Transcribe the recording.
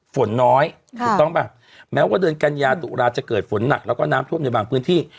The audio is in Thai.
ฝนน้อยถูกต้องป่ะแม้ว่าเดือนกัญญาตุลาจะเกิดฝนหนักแล้วก็น้ำท่วมในบางพื้นที่